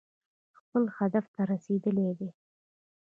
خپل هدف ته رسېدلي دي.